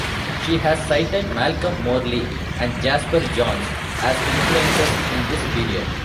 She has cited Malcolm Morley and Jasper Johns as influences in this period.